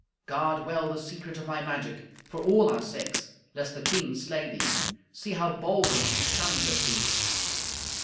"Guard well the secret of my magic, for all our sakes, lest the queen slay thee. See how boldly she challengeth thee."